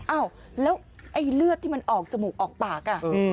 อ้าวแล้วไอ้เลือดที่มันออกจมูกออกปาก